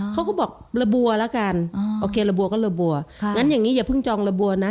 เขาก็บอกระบัวแล้วกันโอเคระบัวก็ระบัวงั้นอย่างนี้อย่าเพิ่งจองระบัวนะ